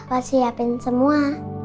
pas siapin semua